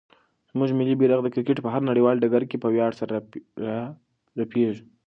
زموږ ملي بیرغ د کرکټ په هر نړیوال ډګر کې په ویاړ سره رپېږي.